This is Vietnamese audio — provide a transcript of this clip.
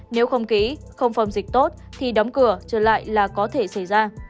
nếu không ký không phòng dịch tốt thì đóng cửa trở lại là có thể xảy ra